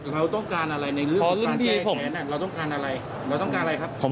เราต้องการอะไรในเรื่องแก้แค้นเราต้องการอะไรครับ